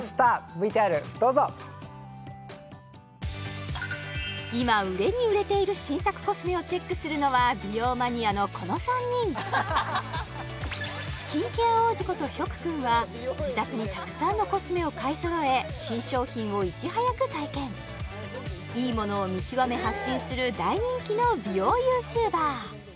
ＶＴＲどうぞ今売れに売れている新作コスメをチェックするのは美容マニアのこの３人スキンケア王子ことヒョク君は自宅にたくさんのコスメを買いそろえ新商品をいち早く体験いいものを見極め発信する大人気の美容ＹｏｕＴｕｂｅｒ